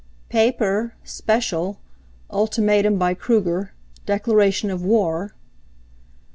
"Payper! Special! Ultimatium by Krooger! Declaration of war!"